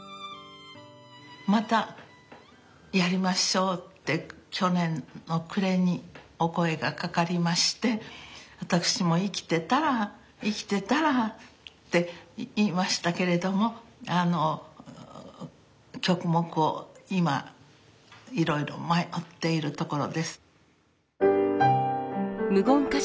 またやりましょうって去年の暮れにお声がかかりまして私も生きてたら生きてたらって言いましたけれどもあの曲目を今いろいろ迷っているところです。